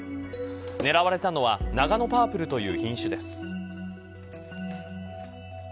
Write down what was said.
狙われたのはナガノパープルという品種です。